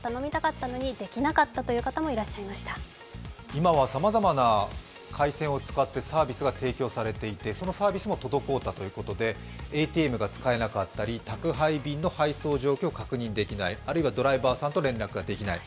今はさまざまな回線を使ってサービスが提供されていて、そのサービスも滞ったということで、ＡＴＭが使えなかったり宅配便の配送状況を確認できない、あるいはドライバーさんと連絡ができない。